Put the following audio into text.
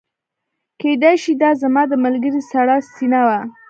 کیدای شي دا زما د ملګري سړه سینه وه